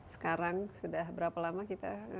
sekarang sudah berapa lama kita